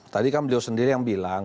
tadi kan beliau sendiri yang bilang